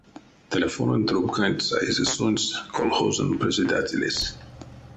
Телефононь трубканть саизе сонсь колхозонь председателесь.